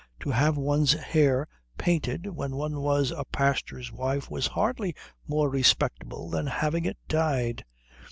To have one's hair painted when one was a pastor's wife was hardly more respectable than having it dyed.